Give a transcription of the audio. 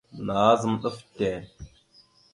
Nazam ɗaf te.